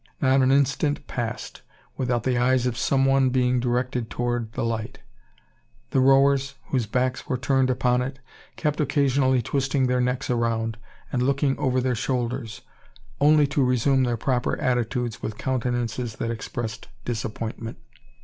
Not an instant passed, without the eyes of some one being directed towards the light. The rowers, whose backs were turned upon it, kept occasionally twisting their necks around, and looking over their shoulders, only to resume their proper attitudes with countenances that expressed disappointment.